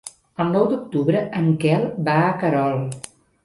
El nou d'octubre en Quel va a Querol.